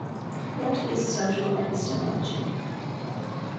What Is Social Epistemology?